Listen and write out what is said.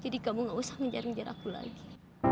jadi kamu gak usah menjarah jarah aku lagi